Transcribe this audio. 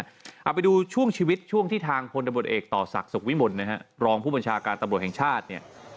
เอาไปดูช่วงชีวิตช่วงที่ทางพลตบเอกต่อศักดิ์สกวิมลรองผู้บัญชาการตำรวจแห่งชาติ